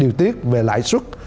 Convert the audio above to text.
điều tiết về lãi suất